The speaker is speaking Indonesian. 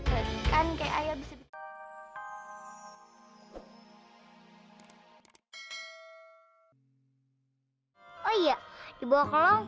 oh iya dibawa ke kolong